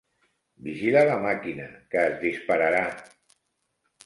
Vigila la màquina, que es dispararà.